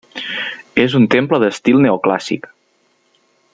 És un temple d'estil neoclàssic.